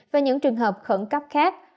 và những trường hợp khẩn cấp khác